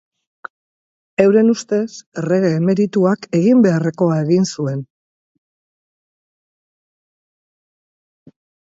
Euren ustez errege emerituak egin beharrekoa egin zuen.